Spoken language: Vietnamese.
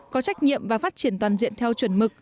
có trách nhiệm và phát triển toàn diện theo chuẩn mực